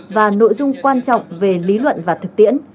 và nội dung quan trọng về lý luận và thực tiễn